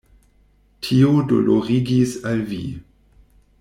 Tio dolorigis al vi.